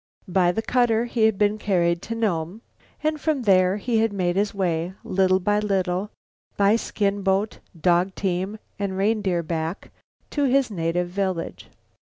By the cutter he had been carried to Nome and from there made his way, little by little, by skin boat, dog team, and reindeer back to his native village.